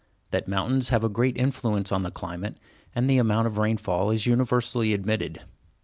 That mountains have a great influence on the climate and the amount of rainfall, is universally admitted.